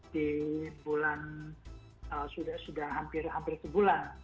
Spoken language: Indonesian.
di bulan sudah hampir hampir sebulan